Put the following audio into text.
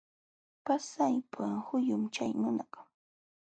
Pasaypa huyum chay nunakaq.